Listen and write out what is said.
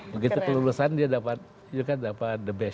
begitu kelulusan dia dapat ini kan dapat the best